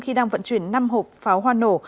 khi đang vận chuyển năm hộp pháo hoa nổ